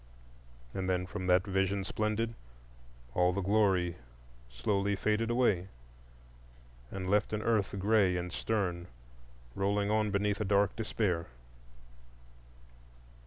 And then from that Vision Splendid all the glory faded slowly away, and left an earth gray and stern rolling on beneath a dark despair.